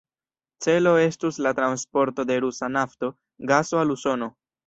Celo estus la transporto de rusa nafto, gaso al Usono.